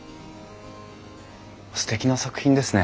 すてきな作品ですね。